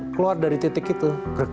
keluar dari titik itu